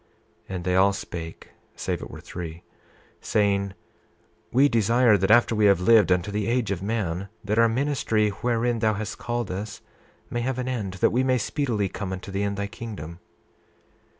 28:2 And they all spake, save it were three, saying: We desire that after we have lived unto the age of man, that our ministry, wherein thou hast called us, may have an end, that we may speedily come unto thee in thy kingdom.